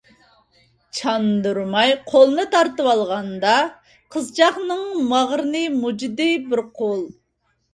چاندۇرماي قولىنى تارتىۋالغاندا، قىزچاقنىڭ باغرىنى مۇجۇدى بىر قول.